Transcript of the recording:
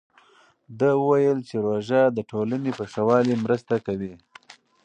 ده وویل چې روژه د ټولنې په ښه والي مرسته کوي.